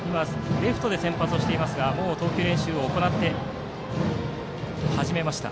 レフトで先発をしていますがもう投球練習を始めました。